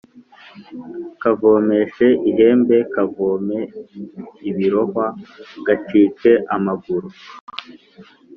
kavomeshe ihembe; kavome ibirohwa; gacike amaguru